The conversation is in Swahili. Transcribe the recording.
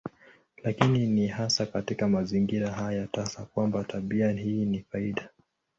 Lakini ni hasa katika mazingira haya tasa kwamba tabia hii ni faida.